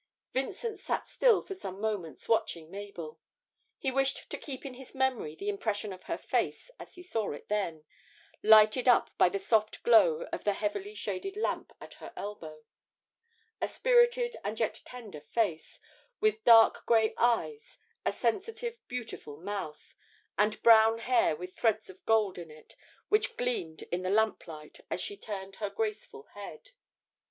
Vincent sat still for some moments watching Mabel. He wished to keep in his memory the impression of her face as he saw it then, lighted up by the soft glow of the heavily shaded lamp at her elbow; a spirited and yet tender face, with dark grey eyes, a sensitive, beautiful mouth, and brown hair with threads of gold in it which gleamed in the lamplight as she turned her graceful head.